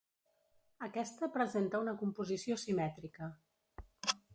Aquesta presenta una composició simètrica.